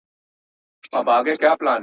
له لیري د جرس ږغونه اورمه زنګېږم.